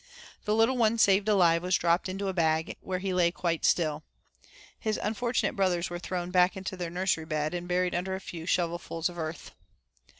The little one saved alive was dropped into a bag, where he lay quite still. His unfortunate brothers were thrown back into their nursery bed, and buried under a few shovelfuls of earth.